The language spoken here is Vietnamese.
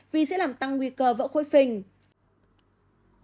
vì sẽ làm tăng nguy cơ vỡ khối phình